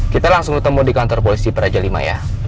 kita langsung ketemu di kantor polisi praja v ya